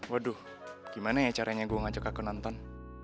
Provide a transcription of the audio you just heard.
waduh gimana ya caranya gue ngajak aku nonton